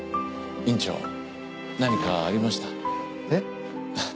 院長何かありました？え？